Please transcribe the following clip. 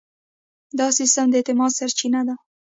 دا سیستم د اعتماد سرچینه وه.